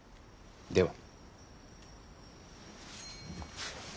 では。